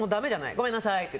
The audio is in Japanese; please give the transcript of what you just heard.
ごめんなさいって。